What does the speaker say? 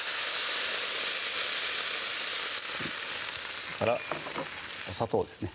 それからお砂糖ですね